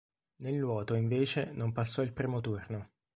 Nel nuoto, invece, non passò il primo turno.